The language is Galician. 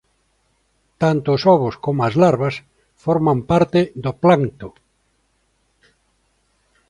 Tanto os ovos como as larvas forman parte do plancto.